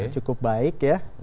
cukup baik ya